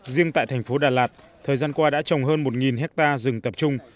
riêng tại thành phố đà lạt thời gian qua đã trồng hơn một hectare rừng tập trung